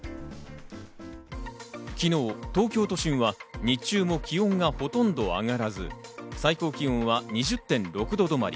昨日、東京都心は日中も気温がほとんど上がらず、最高気温は２０．６度止まり。